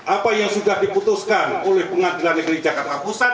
apa yang sudah diputuskan oleh pengadilan negeri jakarta pusat